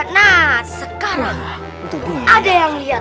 nah sekarang ada yang lihat